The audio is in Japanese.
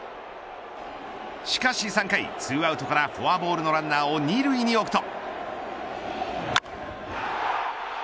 しかし３回、２アウトからフォアをボールのランナーを２塁に置くと。